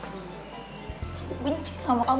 aku benci sama kamu